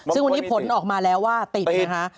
ซึ่งวันนี้ผลออกมาแล้วว่าติดนะคะ